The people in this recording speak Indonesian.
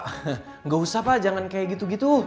pak nggak usah pak jangan kayak gitu gitu